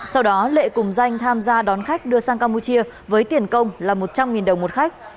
sau đó lệ cùng danh tham gia đón khách đưa sang campuchia với tiền công là một trăm linh đồng một khách